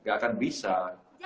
sejarah balik lagi